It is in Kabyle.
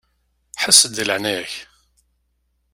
Ḥess-d di leɛnaya-k.